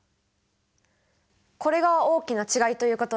これが大きな違いということですね。